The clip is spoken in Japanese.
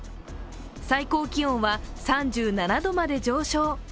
最高気温は３７度まで上昇。